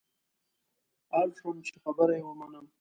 اړ شوم چې خبره یې ومنم.